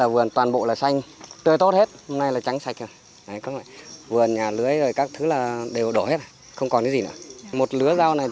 vườn nhà lưới các thứ đều đổ hết không còn cái gì nữa